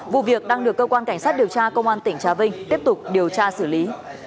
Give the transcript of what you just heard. vụ việc đang được cơ quan cảnh sát điều tra công an tỉnh trà vinh tiếp tục điều tra xử lý